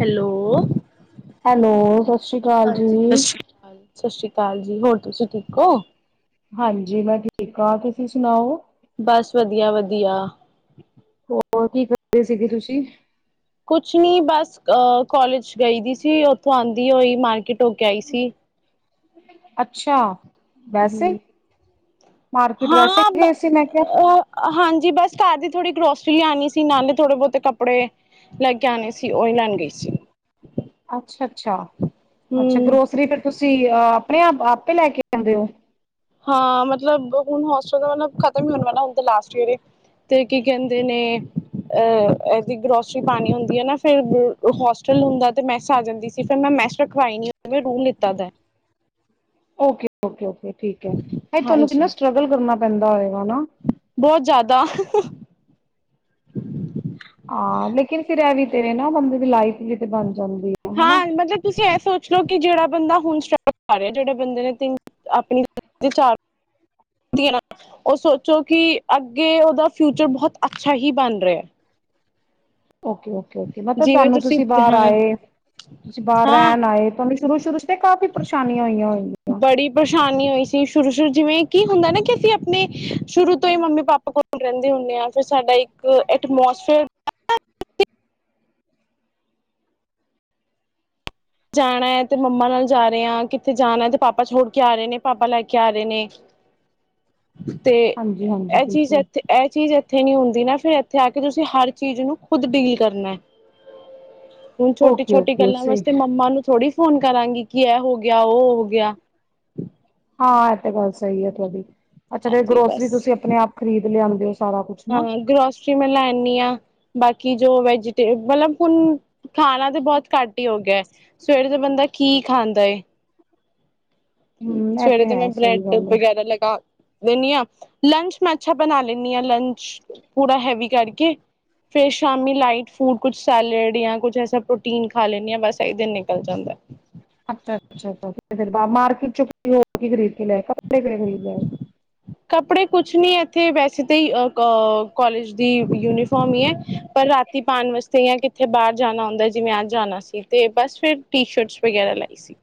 Hello hello ਸਤਿ ਸ੍ਰੀ ਅਕਾਲ ਹਾਂਜੀ ਜੀ, ਸਤਿ ਸ਼੍ਰੀ ਅਕਾਲ ਜੀ, ਹੋਰ ਤੁਸੀਂ ਠੀਕ ਔ? ਹਾਂਜੀ ਮੈਂ ਠੀਕ ਆਂ, ਤੁਸੀਂ ਸੁਣਾਓ? ਬਸ ਵਧੀਆ-ਵਧੀਆ, ਹੋਰ ਕੀ ਕਰਦੇ ਸੀਗੇ ਤੁਸੀ? ਕੁਛ ਨੀ ਬਸ ਅਹ ਕੋਲੇਜ ਗਈ ਦੀ ਸੀ ਉੱਥੋਂ ਆਂਦੀ ਹੋਈ ਮਾਰਕੀਟ ਹੋਕੇ ਆਈ ਸੀ। ਅੱਛਾ, ਵੈਸੇ ਹੂੰ, ਮਾਰਕੀਟ ਵੈਸੇ ਹਾਂ ਬ ਗਏ ਸੀ ਮੈਂ ਕਿਹਾ। ਹਾਂ ਜੀ ਬਸ ਘਰ ਦੀ ਥੋੜੀ ਗਰੋਸਰੀ ਲਿਆਣੀ ਸੀ ਨਾਲੇ ਥੋੜੇ ਬਹੁਤੇ ਕੱਪੜੇ ਲੈ ਕੇ ਆਣੇ ਅੱਛਾ-ਅੱਛਾ-ਅੱਛਾ, ਹਮ ਗਰੋਸਰੀ ਫਿਰ ਤੁਸੀ ਅ ਆਪਣੇ ਆਪ ਆਪੇ ਲੈ ਕੇ ਆਂਦੇ ਔ, ਹਾਂ, ਮਤਲਬ ਹੁਣ ਹੋਸਟਲ ਦਾ ਮਤਲਬ ਖਤਮ ਹੀ ਹੋਣ ਵਾਲਾ ਹੁਣ ਤੇ ਲਾਸਟ ਈਅਰ ਏ ਤੇ ਕੀ ਕਹਿੰਦੇ ਨੇ ਅ ਐਹਦੀ ਗਰੋਸਰੀ ਪਾਣੀ ਹੁੰਦੀ ਹੈ ਨਾ ਫਿਰ ਹੋਸਟਲ ਹੁੰਦਾ ਤੇ ਮੈਸ ਆ ਜਾਂਦੀ ਸੀ ਫਿਰ ਮੈਂ ਮੈਸ ਰਖਵਾਈ ਨੀ ਰੂਮ ਲਿੱਤਾ ਓਕੇ-ਓਕੇ-ਓਕੇ, ਠੀਕ ਐ ਹਾਏ ਤੁਹਾਨੂੰ ਹਾਂਜੀ ਕਿੰਨਾ ਸਟ੍ਰੱਗਲ ਕਰਨਾ ਪੈਂਦਾ ਹੋਏਗਾ ਨਾ, ਬਹੁਤ ਜ਼ਿਆਦਾ ਹਾਂ, ਲੇਕਿਨ ਫਿਰ ਇਹ ਵੀ ਤੇਰੇ ਨਾ ਬੰਦੇ ਦੀ ਲਾਈਫ ਜੀ ਤੇ ਬਣ ਜਾਂਦੀ ਹੈ ਹਨਾ। ਹਾਂ ਮਤਲਬ ਤੁਸੀਂ ਐ ਸ ਕਿਉੰਕਿ ਜਿਹੜਾ ਬੰਦਾ ਹੁਣ ਸਟ੍ਰੱਗਲ ਕਰ ਰਿਹਾ ਜਿਹੜੇ ਬੰਦੇ ਨੇ ਤਿਨ ਆਪਣੀ ਤੀ ਏ ਨਾ ਉਹ ਸੋਚੋ ਕਿ ਅੱਗੇ ਉਹਦਾ ਫਿਊਚਰ ਬਹੁਤ ਅੱਛਾ ਹੀ ਬਣ ਰਿਹਾ। ਓਕੇ-ਓਕੇ-ਓਕੇ, ਮਤਲਬ ਜਿਵੇਂ ਤੁਹਾਨੂੰ ਤੁਸੀਂ ਬਾਹਰ ਹਾਂ ਆਏ ਤੁਸੀਂ ਬਾਹਰ ਹਾਂ ਰਹਿਣ ਆਏ ਤੁਹਾਨੂੰ ਸ਼ੁਰੂ-ਸ਼ੁਰੂ ਚ, ਤੇ ਕਾਫੀ ਪਰੇਸ਼ਾਨੀਆਂ ਹੋਈਆਂ ਹੋਣਗੀਆਂ। ਸ਼ੁਰੂ-ਸ਼ੁਰੂ ਜਿਵੇਂ ਕੀ ਹੁੰਦਾ ਨਾ ਕਿ ਅਸੀਂ ਆਪਣੇ ਸ਼ੁਰੂ ਤੋਂ ਹੀ ਮੰਮੀ ਪਾਪਾ ਕੋਲ ਰਹਿੰਦੇ ਹੁੰਨੇ ਆਂ ਫਿਰ ਸਾਡਾ ਇੱਕ ਐਟਮੋਸਟ ਜਾਣਾ ਤੇ ਮੰਮਾ ਨਾਲ ਜਾ ਰਹੇ ਆ ਕਿੱਥੇ ਜਾਣਾ ਤੇ ਪਾਪਾ ਛੋੜ ਕੇ ਆ ਰਹੇ ਨੇ ਪਾਪਾ ਲੈ ਕੇ ਆ ਰਹੇ ਨੇ। ਤੇ ਹਾਂਜੀ ਹਾਂਜੀ ਇਹ ਚੀਜ਼ ਬਿਲਕੁਲ ਇੱਥੇ ਇਹ ਚੀਜ਼ ਇੱਥੇ ਇੱਥੇ ਨੀ ਹੁੰਦੀ ਨਾ ਫਿਰ ਇੱਥੇ ਆ ਕੇ ਤੁਸੀਂ ਹਰ ਚੀਜ਼ ਨੂੰ ਖੁਦ ਡੀਲ ਕਰਨੀ ਐ। ਹੁਣ ਓਕੇ ਛੋਟੀ-ਛੋਟੀ ਓਕੇ ਗੱਲਾਂ ਵਸ ਸਹੀ ਤੇ ਮੰਮਾ ਨੂੰ ਥੋੜ੍ਹੀ ਫੋਨ ਕਰਾਂਗੀ, ਕਿ ਇਹ ਹੋ ਗਿਆ ਉਹ ਹੋ ਗਿਆ। ਹਾਂ ਇਹ ਤੇ ਗੱਲ ਸਹੀ ਹੈ ਤੁਹਾਡੀ ਅੱਛਾ, ਫੇਰ ਹਾਂਜੀ ਗਰੋਸਰੀ ਬਸ ਤੁਸੀਂ ਆਪਣੇ ਆਪ ਖਰੀਦ ਲਿਆਉਂਦੇ ਹਾਂ ਗਰੋਸਰੀ ਮੈਂ ਲੈਨੀਂ ਆਂ ਬਾਕੀ ਜੋ ਵੈਜੀਟੇਬਲ [unintelligible] ਮਤਲਬ ਹੁਣ ਖਾਣਾ ਤਾਂ ਬਹੁਤ ਘੱਟ ਈ ਹੋ ਗਿਆ ਸਵੇਰੇ ਦਾ ਬੰਦਾ ਕੀ ਖਾਂਦਾ ਏ। ਹਮ ਇਹ ਸਵੇਰੇ ਤੇ ਹੈ ਮੈਂ ਸਹੀ ਬ੍ਰੈਡ ਗੱਲ ਹੈ ਵਗੈਰਾ ਲਗਾ ਦਿੰਨੀ ਆ ਲੰਚ ਮੈਂ ਅੱਛਾ ਬਣਾ ਲੀਨੀ ਆ ਲੰਚ ਪੂਰਾ ਹੈਵੀ ਕਰਕੇ ਫੇਰ ਸ਼ਾਮੀ ਲਾਈਟ ਫੂਡ ਕੁੱਛ ਸੈਲਡ ਜਾਂ ਕੁੱਛ ਐਸਾ ਪ੍ਰੋਟੀਨ ਖਾ ਲੈਨੀ ਆ ਬਸ ਏਹੀ ਦਿਨ ਨਿਕਲ ਜਾਂਦਾ। ਅੱਛਾ ਅੱਛਾ ਅੱਛਾ ਫਿਰ ਮਾਰਕੀਟ ਚੋ ਕੀ ਹੋਰ ਕੀ ਖਰੀਦ ਕੇ ਲੈ ਕੱਪੜੇ ਖਰੀਦ ਲੈ [unintelligible] ਕੱਪੜੇ ਕੁੱਛ ਨੀ ਏਥੇ ਵੈਸੇ ਤਾਂ ਕੋਲਜ ਦੀ ਯੂਨੀ ਫੋਰਮ ਈ ਐ ਪਰ ਰਾਤੀ ਪਾਉਣ ਵਾਸਤੇ ਜਾਂ ਕਿੱਥੇ ਬਾਹਰ ਜਾਣਾ ਹੁੰਦਾ ਜਿਵੇਂ ਅੱਜ ਜਾਣਾ ਸੀ ਤੇ ਬਸ ਫਿਰ ਟੀ ਸ਼ਰਟਸ ਵਗੈਰਾ ਲਾਈ ਸੀ।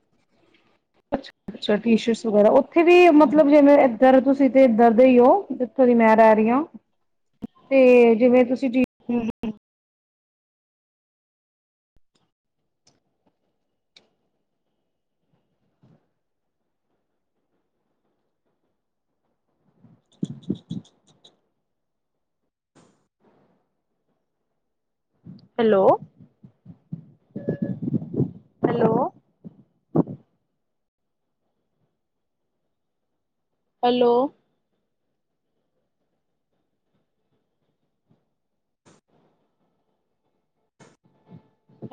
ਅੱਛਾ ਟੀ ਸ਼ਰਟਸ ਵਗੈਰਾ ਓ ਥੇ ਵੀ ਮਤਲਬ ਜਿਵੇਂ [unintelligible] ਤੁਸੀਂ ਤੇ ਇੱਧਰ ਦੇ ਹੀ ਹੋ ਜਿੱਥੋਂ ਦੀ ਮੈਂ ਰਹਿ ਰਹੀ ਆ ਤੇ ਜਿਵੇਂ ਤੁਸੀਂ ਹੂੰ [inaudible] ਹੈਲੋ-ਹੈਲੋ। Hello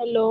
hello